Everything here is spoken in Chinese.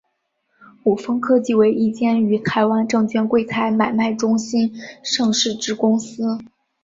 伍丰科技为一间于台湾证券柜台买卖中心上市之公司。